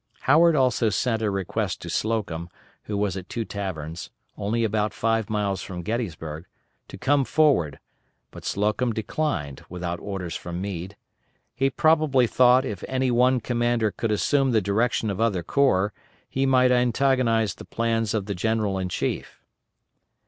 Howard also sent a request to Slocum, who was at Two Taverns, only about five miles from Gettysburg, to come forward, but Slocum declined, without orders from Meade. He probably thought if any one commander could assume the direction of other corps, he might antagonize the plans of the General in Chief.